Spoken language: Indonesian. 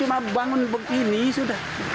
cuma bangun begini sudah